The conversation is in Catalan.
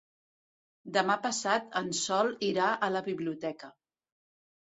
Demà passat en Sol irà a la biblioteca.